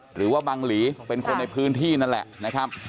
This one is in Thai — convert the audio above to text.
หรือว่าบังหลีเป็นคนในพื้นที่นั่นแหละนะครับ